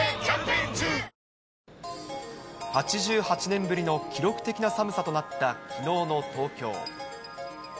８８年ぶりの記録的な寒さとなったきのうの東京。